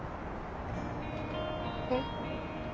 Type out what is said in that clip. えっ？